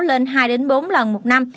lên hai bốn lần một năm